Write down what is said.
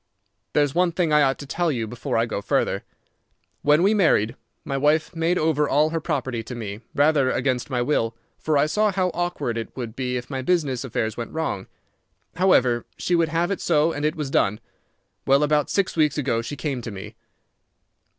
"There's one thing I ought to tell you before I go further. When we married, my wife made over all her property to me—rather against my will, for I saw how awkward it would be if my business affairs went wrong. However, she would have it so, and it was done. Well, about six weeks ago she came to me.